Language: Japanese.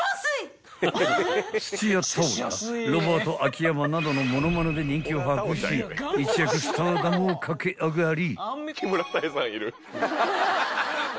［土屋太鳳やロバート秋山などの物まねで人気を博し一躍スターダムを駆け上がり］